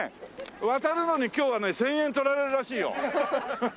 渡るのに今日はね１０００円取られるらしいよ。